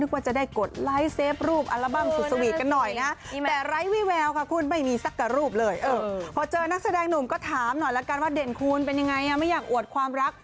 ว่าเด่นคุณเป็นอย่างไรไม่อยากอวดความรัก